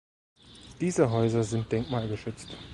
Diese Häuser sind denkmalgeschützt.